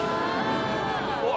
うわ！